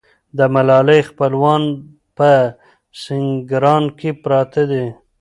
د ملالۍ خپلوان په سینګران کې پراته دي.